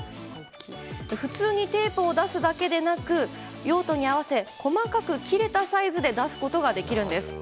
普通にテープを出すだけでなく用途に合わせ細かく切れたサイズで出すことができるんです。